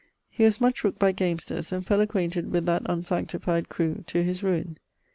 He was much rooked by gamesters, and fell acquainted with that unsanctified crew, to his ruine.